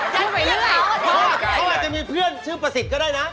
เขาอาจจะมีเพื่อนชื่อประสิทธิ์ก็ได้นะ